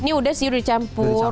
ini udah sih udah campur